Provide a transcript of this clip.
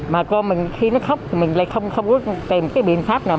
mà con mình khi nó khóc thì mình lại không có tìm cái biện pháp nào